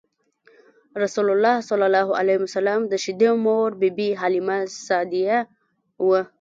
رسول الله ﷺ د شیدو مور بی بی حلیمه سعدیه وه.